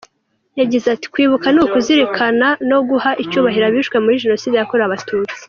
Yagize ati “ Kwibuka ni ukuzirikana no guha icyubahiro abishwe muri Jenoside yakorewe Abatutsi.